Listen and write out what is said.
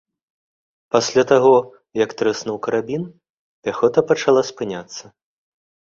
Пасля таго, як трэснуў карабін, пяхота пачала спыняцца.